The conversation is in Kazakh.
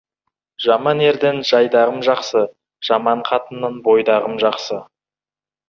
Жаман ерден жайдағым жақсы, жаман қатыннан бойдағым жақсы.